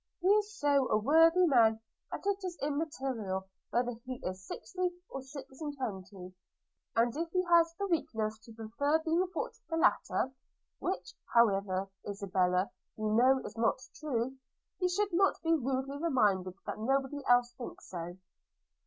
He is so worthy a man that it is immaterial whether he is sixty or six and twenty; and if he has the weakness to prefer being thought the latter, which, however, Isabella, you know is not true, he should not be rudely reminded that nobody else thinks so.'